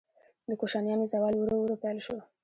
د کوشانیانو زوال ورو ورو پیل شو